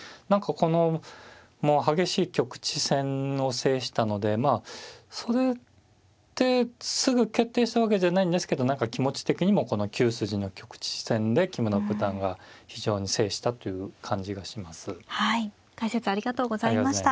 何かこのもう激しい局地戦を制したのでまあそれですぐ決定したわけじゃないんですけど何か気持ち的にもこの９筋の局地戦で木村九段が非常に制したという感じがします。